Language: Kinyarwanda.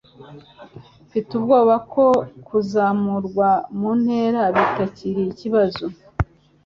Mfite ubwoba ko kuzamurwa mu ntera bitakiri ikibazo.